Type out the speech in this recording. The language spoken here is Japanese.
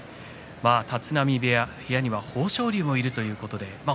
立浪部屋には豊昇龍もいるということです。